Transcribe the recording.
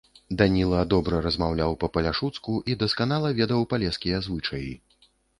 Даніла добра размаўляў па-паляшуцку і дасканала ведаў палескія звычаі.